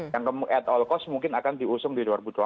yang at all cost mungkin akan diusung di dua ribu dua puluh empat